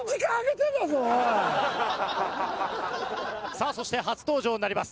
さあそして初登場になります。